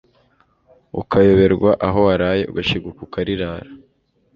ukayoberwa aho waraye ugashiguka ukalirara